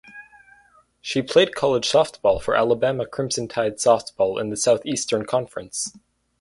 She played college softball for Alabama Crimson Tide softball in the Southeastern Conference.